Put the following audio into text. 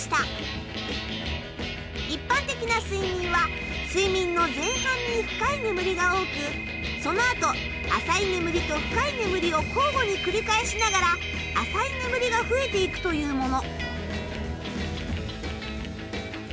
一般的な睡眠は睡眠の前半に深い眠りが多くその後浅い眠りと深い眠りを交互に繰り返しながら浅い眠りが増えて行くというもの。